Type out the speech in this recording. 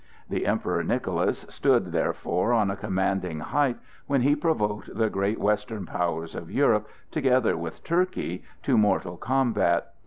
The Emperor Nicholas stood, therefore, on a commanding height when he provoked the great western powers of Europe, together with Turkey, to mortal combat.